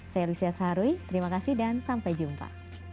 saya lucia saharwi terima kasih dan sampai jumpa